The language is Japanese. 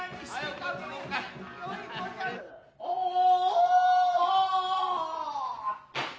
おお。